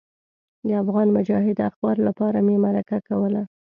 د افغان مجاهد اخبار لپاره مې مرکه کوله.